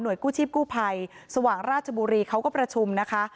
หน่วยกู้ชีพกู้ไพสวังราชบุรีเขาก็ประชุมนะคะ